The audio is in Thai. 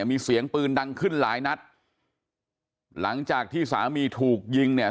มีเสียงปืนดังขึ้นหลายนัดหลังจากที่สามีถูกยิงเนี่ย